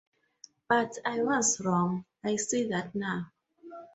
But I was wrong — I see that now.